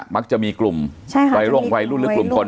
มักจะมีกลุ่มใช่ค่ะไว้ลงไว้รุ่นหรือกลุ่มคน